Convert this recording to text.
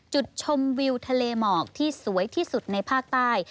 จุดชมวิวทะเลหมอกที่สวยที่สุดในภาคใต้